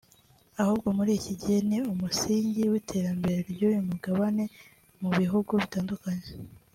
ahubwo muri iki gihe ni umusingi w’iterambere ry’uyu mugabane mu bihugu bitandukanye